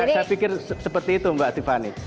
saya pikir seperti itu mbak tiffany